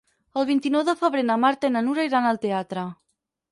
El vint-i-nou de febrer na Marta i na Nura iran al teatre.